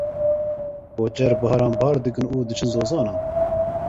Koçer biharan bar dikin û diçin zozanan.